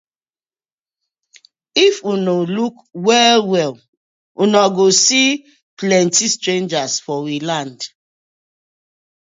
If una luuk well well uno go see plenty strangers for we land.